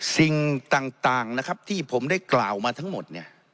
สิ่งต่างนะครับที่ผมได้กล่าวมาทั้งหมดเนี่ย